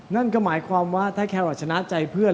นั่นก็หมายความว่าถ้าแครอทชนะใจเพื่อน